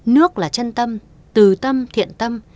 nước là chân tâm tử tâm thiện tâm